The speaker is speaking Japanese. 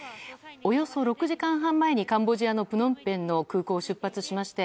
およそ６時間半前にカンボジアのプノンペンの空港を出発しまして